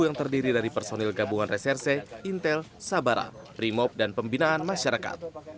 yang terdiri dari personil gabungan reserse intel sabara brimob dan pembinaan masyarakat